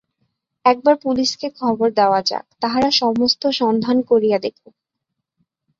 একবার পুলিসকে খবর দেওয়া যাক, তাহারা সমস্ত সন্ধান করিয়া দেখুক।